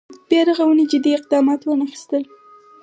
بیا رغونې جدي اقدامات وانخېستل.